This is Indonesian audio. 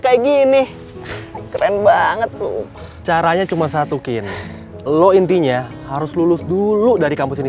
kayak gini keren banget tuh caranya cuma satu kin lo intinya harus lulus dulu dari kampus ini